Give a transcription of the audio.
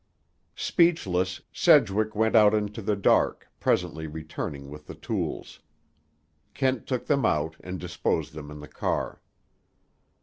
Speechless, Sedgwick went out into the dark, presently returning with the tools. Kent took them out and disposed them in the car.